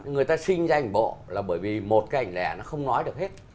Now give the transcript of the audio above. người ta sinh ra ảnh bộ là bởi vì một cái ảnh lẻ nó không nói được hết